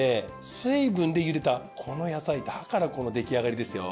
水分でゆでたこの野菜だからこの出来上がりですよ。